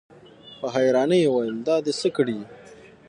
په حيرانۍ يې وويل: دا دې څه کړي؟